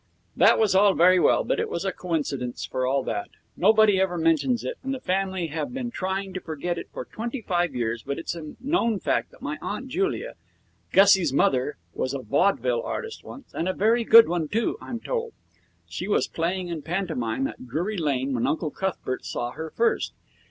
That was all very well, but it was a coincidence for all that. Nobody ever mentions it, and the family have been trying to forget it for twenty five years, but it's a known fact that my Aunt Julia, Gussie's mother, was a vaudeville artist once, and a very good one, too, I'm told. She was playing in pantomime at Drury Lane when Uncle Cuthbert saw her first.